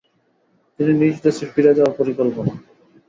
তিনি নিজ দেশে ফিরে যাওয়ার পরিকল্পনা